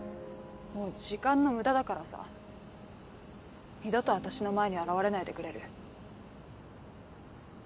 もう時間の無駄だからさ二度と私の前に現れないでくれる？